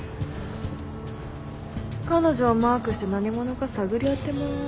彼女をマークして何者か探り当てます。